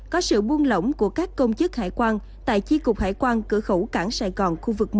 có sự buông lỏng của các công chức hải quan tại chi cục hải quan cửa khẩu cảng sài gòn khu vực một